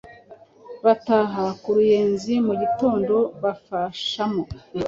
bataha ku Ruyenzi. Mu gitondo bafashamo,